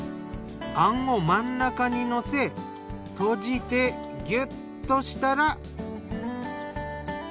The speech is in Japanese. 餡を真ん中にのせ閉じてギュッとしたら。